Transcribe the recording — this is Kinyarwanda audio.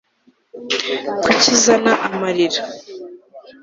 kuki uzana amarira